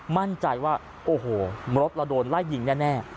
มั่นใจว่าโอ้โหรถเราโดนไล่ยิงแน่